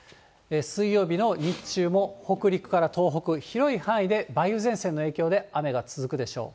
水曜日の日中も北陸から東北、広い範囲で梅雨前線の影響で雨が続くでしょう。